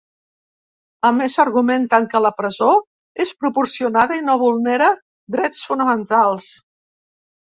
A més, argumenten que la presó és ‘proporcionada’ i no vulnera drets fonamentals.